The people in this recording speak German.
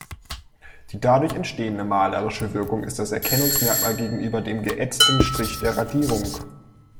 Die dadurch entstehende malerische Wirkung ist das Erkennungsmerkmal gegenüber dem geätzten Strich der Radierung.